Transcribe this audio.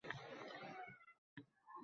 Taninikida qolmaysizmi